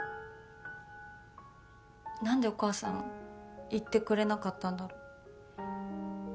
何でお母さん言ってくれなかったんだろう。